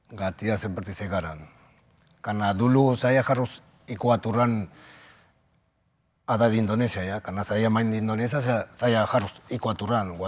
lima tahun itu apapun yang terjadi di negara asal anda anda tidak boleh pulang ya